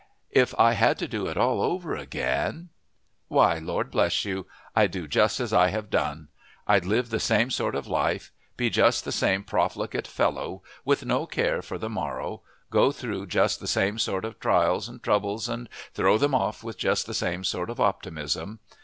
If I had to do it all over again Why, Lord bless you, I'd do just as I have done! I'd live the same sort of life, be just the same profligate fellow with no care for the morrow, go through just the same sort of trials and troubles and throw them off with just the same sort of optimism.